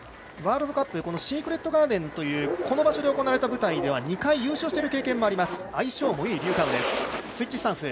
ワールドカップでシークレットガーデンというこの場所で行われた舞台では２回、優勝の経験もあります。